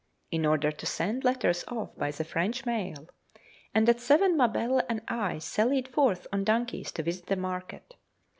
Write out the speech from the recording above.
in order to send letters off by the French mail, and at seven Mabelle and I sallied forth on donkeys to visit the market.